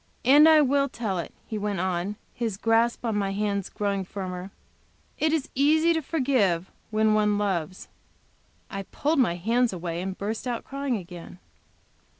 "And I will tell it," he went on, his grasp on my hands growing firmer "It is easy to forgive when one loves." I pulled my hands away, and burst out crying again.